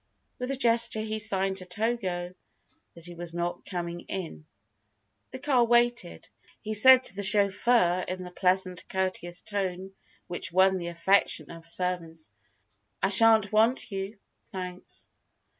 With a gesture he signed to Togo that he was not coming in. The car waited, but he said to the chauffeur in the pleasant, courteous tone which won the affection of servants, "I shan't want you thanks."